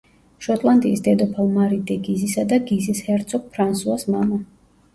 შოტლანდიის დედოფალ მარი დე გიზისა და გიზის ჰერცოგ ფრანსუას მამა.